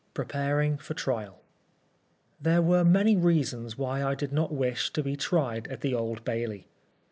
PREPARING FOR TRIAL. There were many reasons why I did not wish to be tried at the Old Bailey.